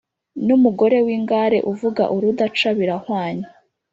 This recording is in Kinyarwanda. n’umugore w’ingare uvuga urudaca birahwanye